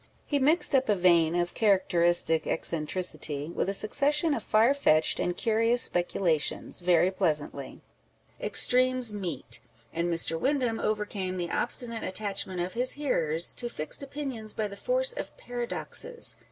He mixed up a vein of charac teristic eccentricity with a succession of far fetched and curious speculations, very pleasantly. Extremes meet ; and Mr. Windham overcame the obstinate attachment of his hearers to fixed opinions by the force of paradoxes.